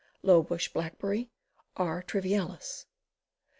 Low Bush Blackberry. R. trivialis.